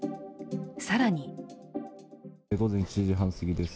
更に午前７時半すぎです。